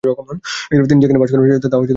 তিনি যেখানে বাস করেন তা দূতাবাস নামে পরিচিত।